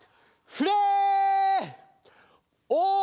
フレー！